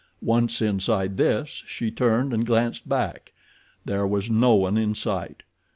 Once inside this she turned and glanced back. There was no one in sight.